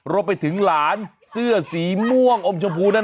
รวมไปถึงหลานเสื้อสีม่วงอมชมพูนั้น